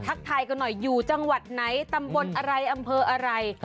ทายกันหน่อยอยู่จังหวัดไหนตำบลอะไรอำเภออะไร